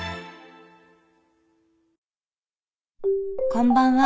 こんばんは。